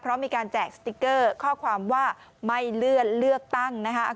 เพราะมีการแจกสติ๊กเกอร์ข้อความว่าไม่เลื่อนเลือกตั้งนะคะ